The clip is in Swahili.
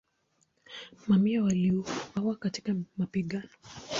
Mamia waliuawa katika mapigano.